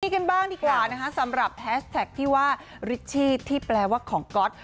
นี่กันบ้างดีกว่านะฮะสำหรับที่ว่าที่แปลว่าของก็อต